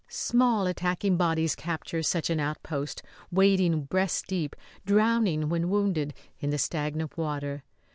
Small attacking bodies capture such an outpost, wading breast deep drowning when wounded in the stagnant water.